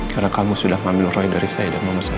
karena kamu sudah mengambil roi dari saya dan mama saya